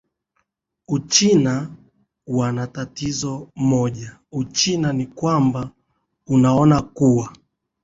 uchina wana wana tatizo moja uchina ni kwamba unaona kuwa